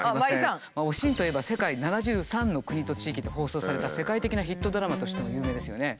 「おしん」といえば世界７３の国と地域で放送された世界的なヒットドラマとしても有名ですよね。